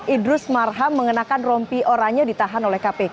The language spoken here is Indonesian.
idrus marham mengenakan rompi oranya ditahan oleh kpk